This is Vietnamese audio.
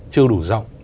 chưa đủ rộng